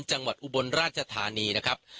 จังหวัดอุบราชธรรณีนะครับ